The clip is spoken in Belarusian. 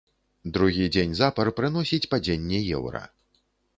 Другі дзень запар прыносіць падзенне еўра.